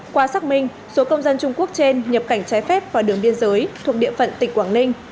qua xác minh số công dân trung quốc trên nhập cảnh trái phép vào đường biên giới thuộc địa phận tỉnh quảng ninh